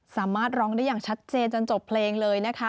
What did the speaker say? สามารถร้องได้อย่างชัดเจนจนจบเพลงเลยนะคะ